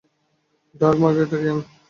Dark, ও Margaret young.